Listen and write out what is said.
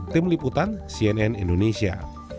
tim liputan cnn indonesia